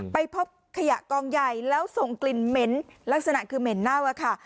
ไปพบขยะกองใหญ่แล้วส่งกลิ่นเหม็นลักษณะคือเหม็นเน่าอะค่ะ